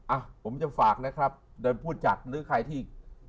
อะผมจะฝากนะครับดังพูดจัดด้วยใครที่